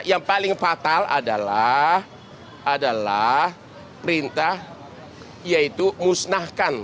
yang paling fatal adalah perintah yaitu musnahkan